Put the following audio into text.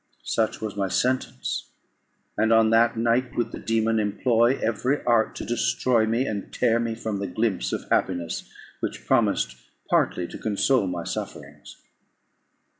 _" Such was my sentence, and on that night would the dæmon employ every art to destroy me, and tear me from the glimpse of happiness which promised partly to console my sufferings.